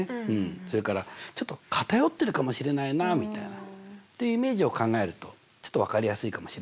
それからちょっと偏ってるかもしれないなみたいなっていうイメージを考えるとちょっと分かりやすいかもしれないね。